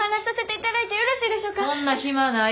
そんな暇ない！